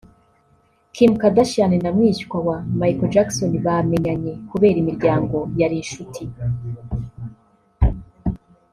Kim Kardashian na mwishywa wa Micheal Jackson bamenyanye kubera imiryango yari inshuti